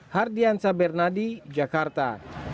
hardian sabernadi jakarta